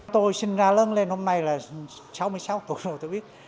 tôi sinh ra lớn lên hôm nay là sáu mươi sáu tuổi rồi tôi biết